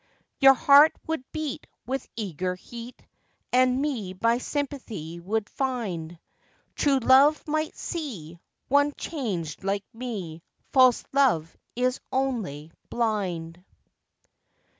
Your heart would beat With eager heat, And me by sympathy would find: True love might see, One changed like me, False love is only blind.